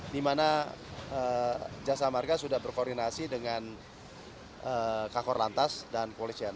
di mana jasa marga sudah berkoordinasi dengan kakor lantas dan polisian